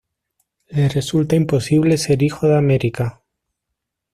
Le resulta imposible ser hijo de Amérika